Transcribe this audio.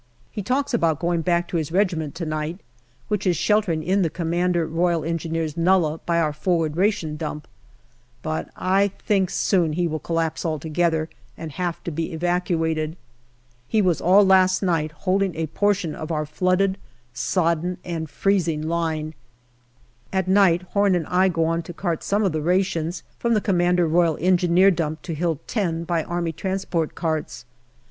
He talks about going back to his regiment to night, which is sheltering in the C.R.E. nullah, by our forward ration dump, but I think soon he will collapse altogether and have to be evacuated. He was all last night holding a portion of our flooded, sodden and freezing line. At night Home and I go on to cart some of the rations from the C.R.E. dump to Hill 10 by A.T. carts.